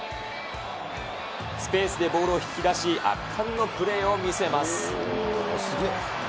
スペースでボールを引き出し、圧巻のプレーを見せます。